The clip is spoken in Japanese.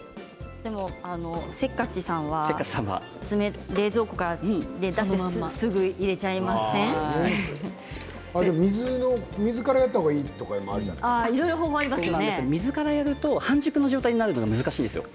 せっかちさんは冷蔵庫から出してすぐ水からやったほうがいい水からやると半熟の状態にするのは難しいんですよ。